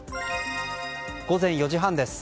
午前４時半です。